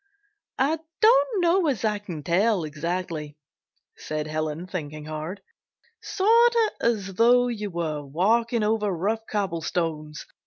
"I don't know as I can tell exactly," said Helen, thinking hard. "Sort of as though you were walking over rough cobblestones.